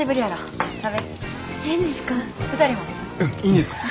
いいんですか？